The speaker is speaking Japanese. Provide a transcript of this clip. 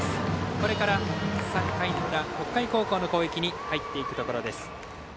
これから３回の裏北海高校の攻撃に入っていくところです。